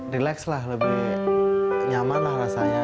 relax lah lebih nyaman lah rasanya